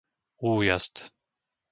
Újazd